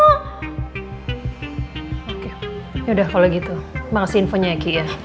oke ya udah kalau gitu makasih infonya ki ya